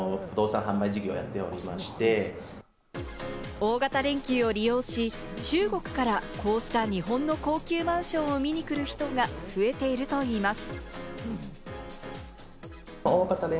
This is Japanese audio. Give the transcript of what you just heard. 大型連休を利用し、中国からこうした日本の高級マンションを見に来る人が増えているといいます。